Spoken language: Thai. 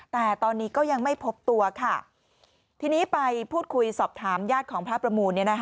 แต่ตอนนี้ก็ยังไม่พบตัวค่ะทีนี้ไปพูดคุยสอบถามญาติของพระประมูล